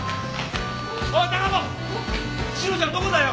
おい貴子志乃ちゃんどこだよ？